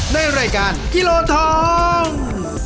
ในรายการกิโลทอง